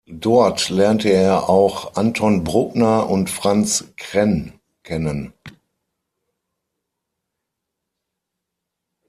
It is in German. Dort lernte er auch Anton Bruckner und Franz Krenn kennen.